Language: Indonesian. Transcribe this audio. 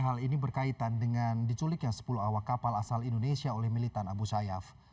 hal ini berkaitan dengan diculiknya sepuluh awak kapal asal indonesia oleh militan abu sayyaf